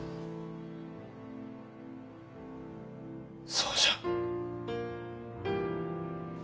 そうじゃ。